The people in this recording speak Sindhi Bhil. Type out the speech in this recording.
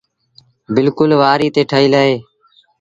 بلڪُل وآريٚ تي ٺهيٚل اهي۔